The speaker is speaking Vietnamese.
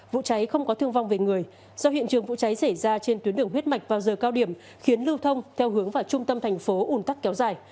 vụ cháy không có thương vong về người do hiện trường vụ cháy xảy ra trên tuyến đường huyết mạch vào giờ cao điểm khiến lưu thông theo hướng vào trung tâm thành phố un tắc kéo dài